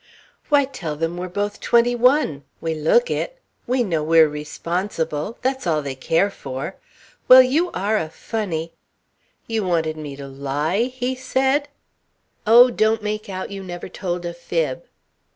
"Why, tell them we're both twenty one. We look it. We know we're responsible that's all they care for. Well, you are a funny...." "You wanted me to lie?" he said. "Oh, don't make out you never told a fib."